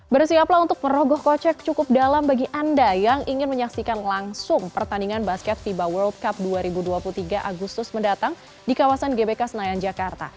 bersiaplah untuk merogoh kocek cukup dalam bagi anda yang ingin menyaksikan langsung pertandingan basket fiba world cup dua ribu dua puluh tiga agustus mendatang di kawasan gbk senayan jakarta